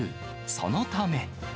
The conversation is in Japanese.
そのため。